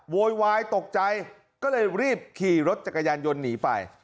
โวยวายตกใจก็เลยรีบขี่รถจักรยานยนต์หนีไป